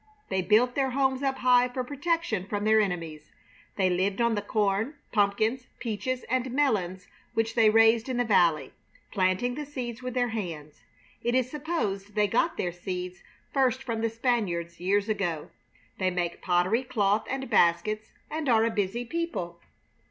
They built their homes up high for protection from their enemies. They lived on the corn, pumpkins, peaches, and melons which they raised in the valley, planting the seeds with their hands. It is supposed they got their seeds first from the Spaniards years ago. They make pottery, cloth, and baskets, and are a busy people.